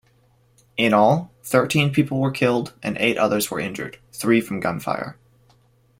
In all, thirteen people were killed and eight others were injured, three from gunfire.